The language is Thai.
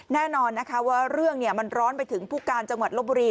แน่นอนนะคะว่าเรื่องมันร้อนไปถึงผู้การจังหวัดลบบุรี